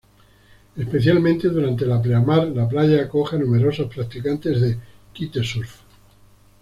Especialmente durante la pleamar, la playa acoge a numerosos practicantes de kitesurf.